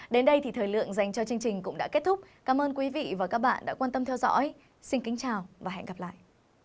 đến đây thì thời lượng dành cho chương trình cũng đã kết thúc cảm ơn quý vị và các bạn đã quan tâm theo dõi xin kính chào và hẹn gặp lại